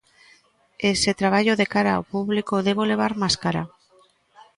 E se traballo de cara ao público debo levar máscara?